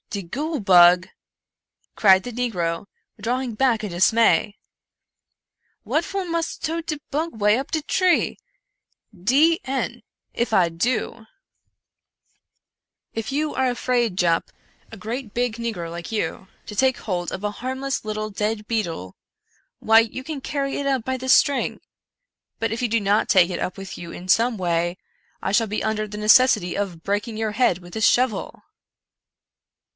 — de goole bug! " cried the negro, drawing back in dismay —" what for mus' tote de bug way up de tree ?— d — n if I do !" 136 Edgar Allan Poe "If you are afraid, Jup, a great big negro like you, to take hold of a harmless little dead beetle, why you can carry it up by this string — but, if you do not take it up with you in some way, I shall be under the necessity of breaking your head with this shovel."